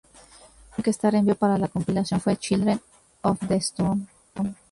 La canción que Starr envió para la compilación fue "Children of the Storm".